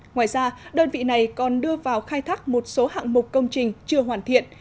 ngoài ra đơn vị này còn đưa vào khai thác một số hạng mục công trình chưa hoàn thiện